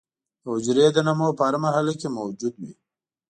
د حجرې د نمو په هره مرحله کې موجود وي.